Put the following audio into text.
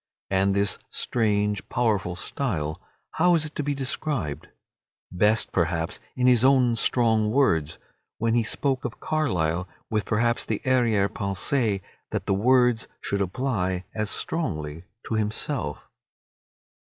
And this strange, powerful style, how is it to be described? Best, perhaps, in his own strong words, when he spoke of Carlyle with perhaps the arrière pensée that the words would apply as strongly to himself.